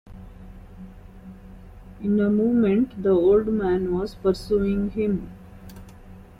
In a moment the old man was pursuing him.